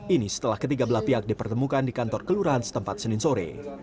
ini setelah ketiga belah pihak dipertemukan di kantor kelurahan setempat senin sore